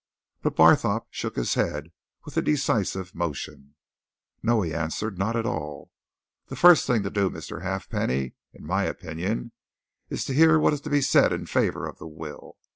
But Barthorpe shook his head with a decisive motion. "No," he answered. "Not at all! The first thing to do, Mr. Halfpenny, in my opinion, is to hear what is to be said in favour of the will.